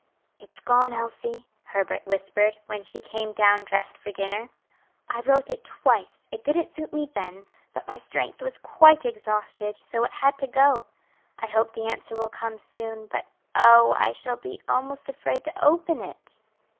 "It's gone, Elsie," Herbert whispered, when she came down dressed for dinner. "I wrote it twice; it didn't suit me then, but my strength was quite exhausted, so it had to go. I hope the answer will come soon, but oh, I shall be almost afraid to open it."